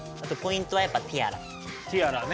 ティアラね。